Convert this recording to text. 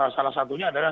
salah satunya adalah